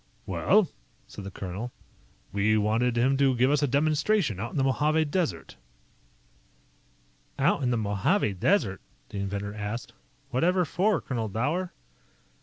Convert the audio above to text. "Well," said the colonel, "we wanted him to give us a demonstration out in the Mojave Desert ""... Out in the Mojave Desert?" the inventor asked. "Whatever for, Colonel Dower?"